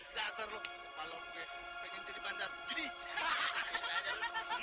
dasar lo kepala lo gue pengen jadi bandar jadi habis aja lo